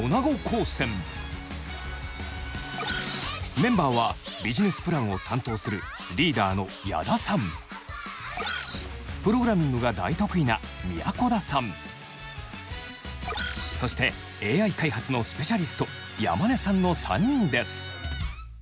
メンバーはビジネスプランを担当するリーダーの矢田さんプログラミングが大得意な都田さんそしてＡＩ開発のスペシャリスト山根さんの３人です。